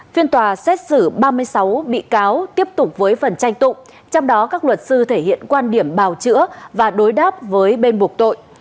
phiên tòa xét xử ba mươi sáu bị cáo tiếp tục với phần tranh tụng trong đó các luật sư thể hiện quan điểm bào chữa và đối đáp với bên buộc tội